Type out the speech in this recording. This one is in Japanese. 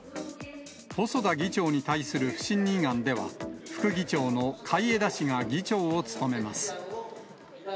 細田議長に対する不信任案では、副議長の海江田氏が議長を務めます。